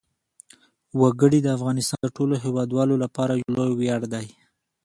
وګړي د افغانستان د ټولو هیوادوالو لپاره یو لوی ویاړ دی.